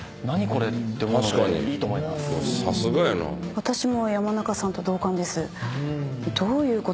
私も山中さんと同感です。